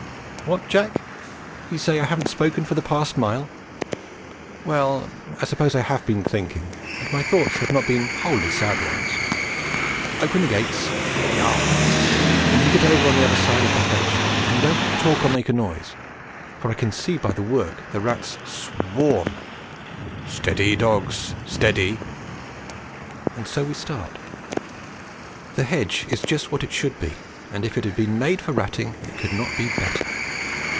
What, Jack, you say I haven't spoken for the past mile? Well, I suppose I have been thinking, and my thoughts have not been wholly sad ones. Open the gate; here we are; and you get over on the other side of the hedge and don't talk or make a noise, for I can see by the work the rats s w a r m. Steady, dogs, steady! And so we start. The hedge is just what it should be, and if it had been made for ratting it could not be better.